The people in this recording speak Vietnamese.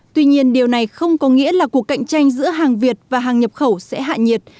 tuy nhiên điều này không có nghĩa là cuộc cạnh tranh giữa hàng việt và hàng nhập khẩu sẽ hạ nhiệt